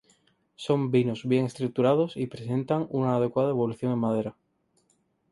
Son vinos bien estructurados y presentan una adecuada evolución en madera.